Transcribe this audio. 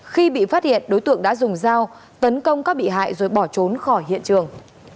khi bị phát hiện đối tượng đã dùng dao tấn công các bị hại rồi bỏ trốn khỏi hiện trường